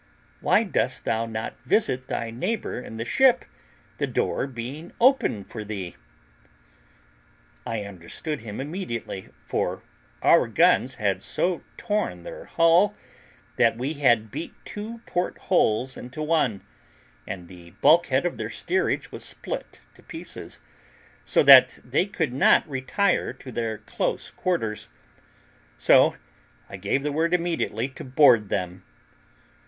Why dost thou not visit thy neighbour in the ship, the door being open for thee?" I understood him immediately, for our guns had so torn their hull, that we had beat two port holes into one, and the bulk head of their steerage was split to pieces, so that they could not retire to their close quarters; so I gave the word immediately to board them.